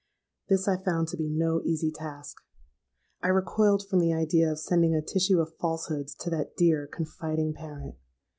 This I found to be no easy task. I recoiled from the idea of sending a tissue of falsehoods to that dear, confiding parent.